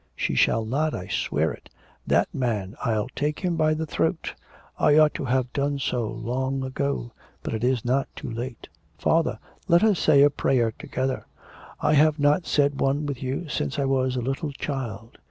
She shall not! I swear it! ... That man, I'll take him by the throat. I ought to have done so long ago; but it is not too late.' 'Father, let us say a prayer together; I have not said one with you since I was a little child.